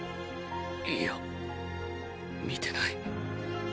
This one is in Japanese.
いいや見てない。